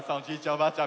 おばあちゃん